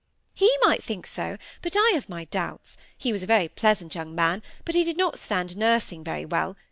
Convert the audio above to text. "He might think so, but I have my doubts. He was a very pleasant young man, but he did not stand nursing very well.